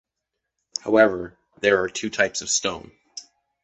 However, there are two types of stone.